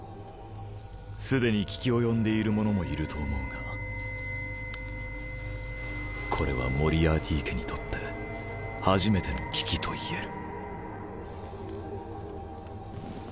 すでに聞き及んでいる者もいると思うがこれはモリアーティ家にとって初めての危機と言える。